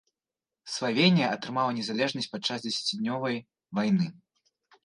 Славенія атрымала незалежнасць падчас дзесяцідзённай вайны.